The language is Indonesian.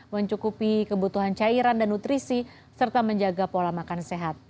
mencukupi kebutuhan cairan dan nutrisi serta menjaga pola makan sehat